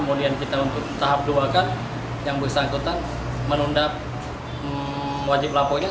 kemudian kita untuk tahap dua kan yang bersangkutan menunda wajib lapornya